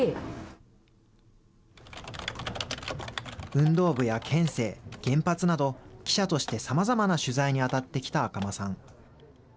運動部や県政、原発など、記者としてさまざまな取材に当たってきた赤間さん。